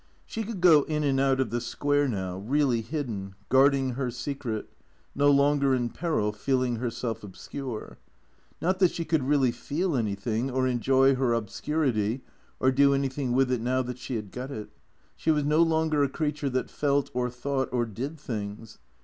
She could go in and out of the Square now, really hidden, guarding her secret, no longer in peril, feeling herself obscure. Not that she could really feel anything, or enjoy her obscurity or do anything with it now that she had got it. She was no longer a creature that felt or thought, or did things.